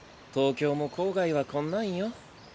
東京も郊外はこんなんよ。